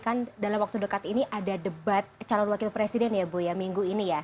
kan dalam waktu dekat ini ada debat calon wakil presiden ya bu ya minggu ini ya